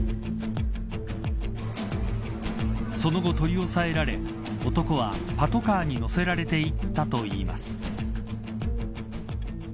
その後、取り押さえられ男はパトカーに乗せられていったといいます。